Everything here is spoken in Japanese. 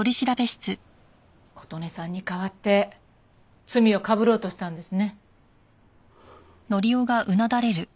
琴音さんに代わって罪をかぶろうとしたんですね。